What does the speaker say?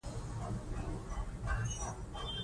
ماشومان د لوبو له لارې د خپل بدن قوت تجربه کوي.